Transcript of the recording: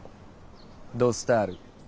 「ド・スタール」。